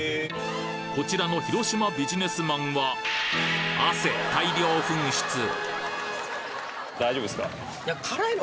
こちらの広島ビジネスマンは汗大量噴出大丈夫ですか？